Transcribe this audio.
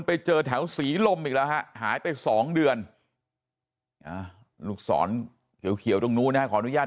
ไปเจอแถวศรีลมอีกแล้วฮะหายไป๒เดือนลูกศรเขียวตรงนู้นนะฮะขออนุญาต